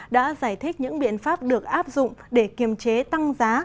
đã giải thích những biện pháp được áp dụng để kiềm chế tăng giá